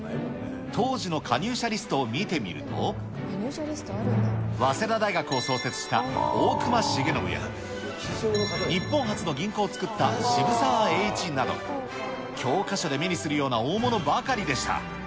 当時の加入者リストを見てみると、早稲田大学を創設した大隈重信や、日本初の銀行を作った渋沢栄一など、教科書で目にするような大物ばかりでした。